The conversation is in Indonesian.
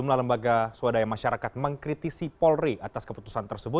pam sua karsa